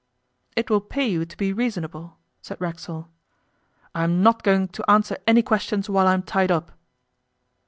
'It will pay you to be reasonable,' said Racksole. 'I'm not going to answer any questions while I'm tied up.